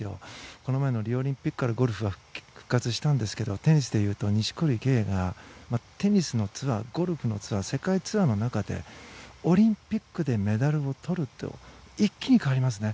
この前のリオデジャネイロオリンピックからゴルフは復活したんですがテニスでいうと錦織圭がゴルフのツアー世界ツアーの中でオリンピックでメダルを取ると一気に変わりますね。